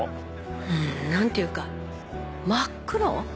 うん何ていうか真っ黒。